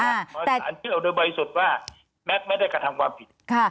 อ่าแต่สารที่เราโดยบริสุทธิ์ว่าแม็กซ์ไม่ได้กระทำความผิดค่ะ